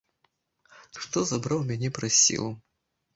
Што забраў мяне праз сілу?